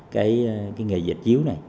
cái nghề dịch chiếu này